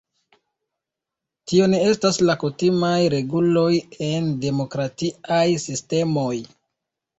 Tio ne estas la kutimaj reguloj en demokratiaj sistemoj.